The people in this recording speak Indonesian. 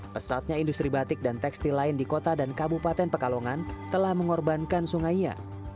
pesatnya industri batik dan tekstil lain di kota dan kabupaten pekalongan telah mengorbankan sungainya